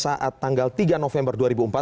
saat tanggal tiga november dua ribu empat belas